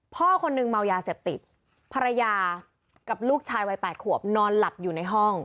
พ่อคนนึงเมายาเสพติดภรรยากับลูกชายวัย๘ขวบนอนหลับอยู่ในห้อง